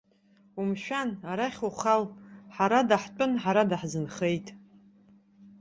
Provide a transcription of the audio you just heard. Умшәан, арахь ухал, ҳара даҳтәын, ҳара даҳзынхеит!